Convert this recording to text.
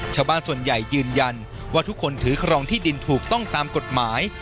ชาวบ้านส่วนใหญ่ยืนยันว่าทุกคนถือครองที่ดินถูกต้องตามกฎหมาย